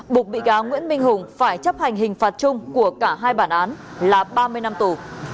buộc bị cáo nguyễn minh hùng phải chấp hành hình phạt chung của cả hai bản án là ba mươi năm tù